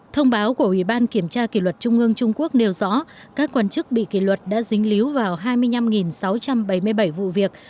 thông báo của ủy ban kiểm tra kỷ luật trung ương trung quốc nêu rõ các quan chức bị kỷ luật đã dính líu vào hai mươi năm sáu trăm bảy mươi bảy vụ việc